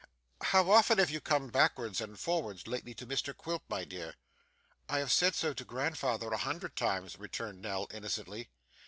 'How very often you have come backwards and forwards lately to Mr Quilp, my dear.' 'I have said so to grandfather, a hundred times,' returned Nell innocently.